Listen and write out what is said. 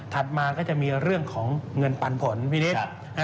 มาก็จะมีเรื่องของเงินปันผลพี่นิด